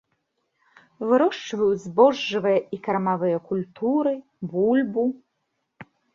Вырошчваюць збожжавыя і кармавыя культуры, бульбу.